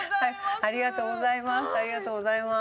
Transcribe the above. ありがとうございます。